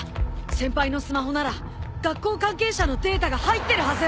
先輩のスマホなら学校関係者のデータが入ってるはず！